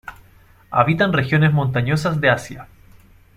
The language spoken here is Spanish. Habitan regiones montañosas de Asia.